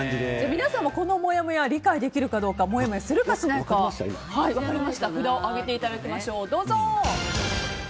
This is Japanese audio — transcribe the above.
皆さんもこのもやもや理解できるかどうかもやもやするか、しないか札を上げていただきましょう。